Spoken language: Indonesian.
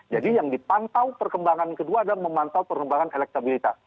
jadi yang dipantau perkembangan kedua adalah memantau perkembangan elektabilitas